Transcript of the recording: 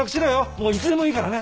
もういつでもいいからね。